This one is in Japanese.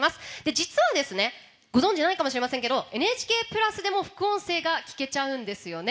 実はご存じないかもしれませんがＮＨＫプラスでも副音声が聞けちゃうんですよね。